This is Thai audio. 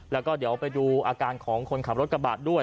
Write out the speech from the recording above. แล้วก็เดี๋ยวไปดูอาการของคนขับรถกระบะด้วย